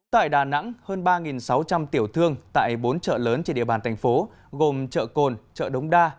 tại đà nẵng hơn ba sáu trăm linh tiểu thương tại bốn chợ lớn trên địa bàn thành phố gồm chợ cồn chợ đống đa